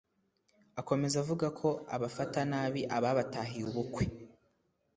Akomeza avuga ko abafata nabi ababatahiye ubukwe